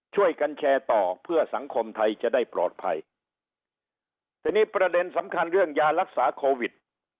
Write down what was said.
ช่วยกันแชร์ต่อเพื่อสังคมไทยจะได้ปลอดภัยทีนี้ประเด็นสำคัญเรื่องยารักษาโควิด